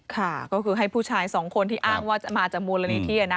ค่ะก็คือให้ผู้ชายสองคนที่อ้างว่ามาจากมูลนิธินะ